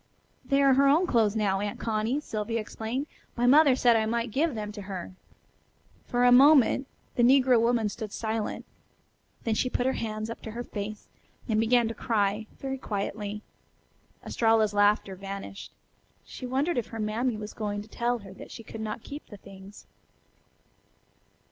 "They are her own clothes now, Aunt Connie," Sylvia explained. "My mother said I might give them to her." For a moment the negro woman stood silent. Then she put her hands up to her face and began to cry, very quietly. Estralla's laughter vanished. She wondered if her mammy was going to tell her that she could not keep the things.